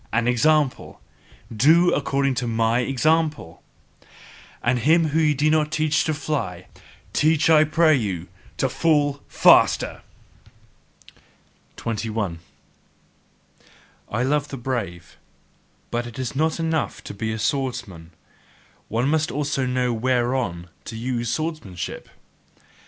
An example! DO according to mine example! And him whom ye do not teach to fly, teach I pray you TO FALL FASTER! 21. I love the brave: but it is not enough to be a swordsman, one must also know WHEREON to use swordsmanship!